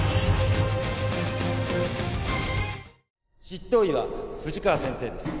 執刀医は富士川先生です。